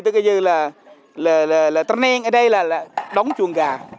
tức là trần nang ở đây là đóng chuồng gà